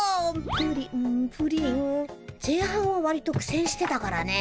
「プリンプリン」前半はわりと苦せんしてたからね。